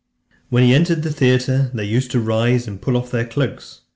When he entered the theatre, they used to rise, and put off their cloaks.